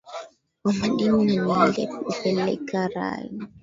wa madini na ni ile ilipeleka rai